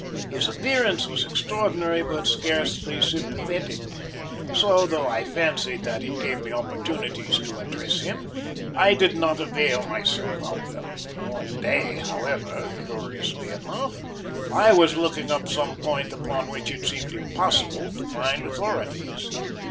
His appearance was extraordinary, but scarcely sympathetic; so, though I fancied that he gave me opportunities to address him, I did not avail myself of them. One day, however, curiously enough, I was looking up some point upon which it seemed impossible to find authorities.